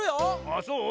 あっそう？